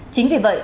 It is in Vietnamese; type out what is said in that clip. chính vì vậy